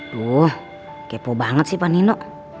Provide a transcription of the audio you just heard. wah kepo banget sih pak nino